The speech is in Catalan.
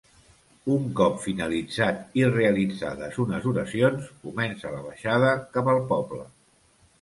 Un cop finalitzat i realitzades unes oracions, comença la baixada cap al poble.